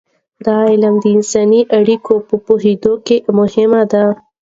دا علم د انساني اړیکو په پوهیدو کې مهم دی.